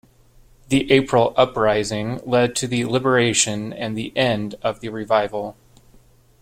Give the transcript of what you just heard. The April Uprising led to the liberation and the end of the Revival.